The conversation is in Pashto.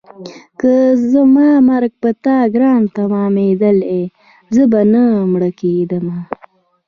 که زما مرګ په تا ګران تمامېدلی زه به نه مړه کېدم.